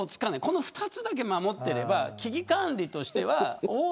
この２つだけ守っていれば危機管理としては。